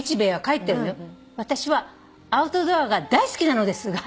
「私はアウトドアが大好きなのですが」